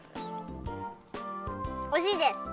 おいしいです！